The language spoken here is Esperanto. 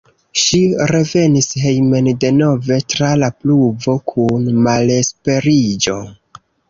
Ŝi revenis hejmen denove tra la pluvo kun malesperiĝo.